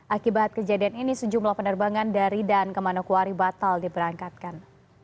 akibat kejadian ini sejumlah penerbangan dari dan ke manokwari batal diberangkatkan